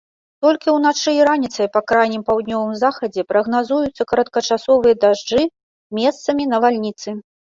Толькі ўначы і раніцай па крайнім паўднёвым захадзе прагназуюцца кароткачасовыя дажджы, месцамі навальніцы.